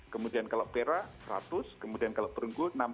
kemudian kalau pera seratus kemudian kalau perunggu enam puluh